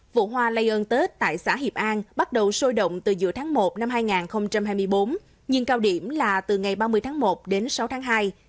vụ hoa lây ơn tết tại xã hiệp an bắt đầu sôi động từ giữa tháng một năm hai nghìn hai mươi bốn nhưng cao điểm là từ ngày ba mươi tháng một đến sáu tháng hai